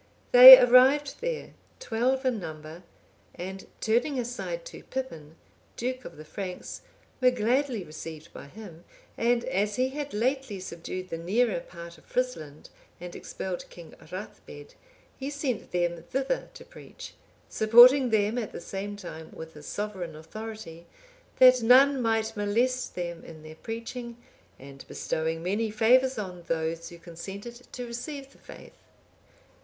They arrived there, twelve in number, and turning aside to Pippin,(825) duke of the Franks, were gladly received by him; and as he had lately subdued the nearer part of Frisland, and expelled King Rathbed,(826) he sent them thither to preach, supporting them at the same time with his sovereign authority, that none might molest them in their preaching, and bestowing many favours on those who consented to receive the faith.